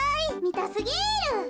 みたすぎる。